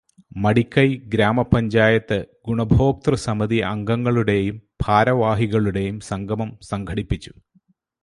മടിക്കൈ ഗ്രാമ പഞ്ചായത്ത് ഗുണഭോക്തൃസമിതി അംഗങ്ങളുടെയും ഭാരവാഹികളുടെയും സംഗമം സംഘടിപ്പിച്ചു.